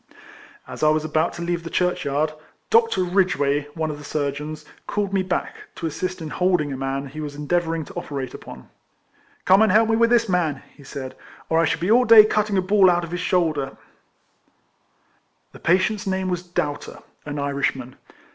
As I was about to leave the churchyard, Dr. Ridgeway, one of the surgeons, called me back, to assist in holding a man, he was endeavouring to operate upon. RIFLEMAN HAERIS. 93 " Come and help me with this man," he said, " or I shall be all day cutting a ball out of his shoulder," The patient's name was Doubter, an Irishman.